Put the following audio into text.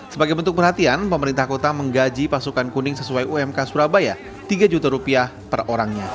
sebagai bentuk perhatian pemerintah kota menggaji pasukan kuning sesuai umk surabaya tiga juta rupiah per orangnya